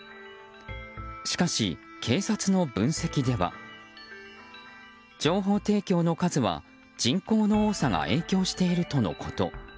しかし、警察の分析では情報提供の数は人口の多さが影響しているとのこと。